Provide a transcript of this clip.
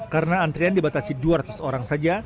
karena antrian dibatasi dua ratus orang saja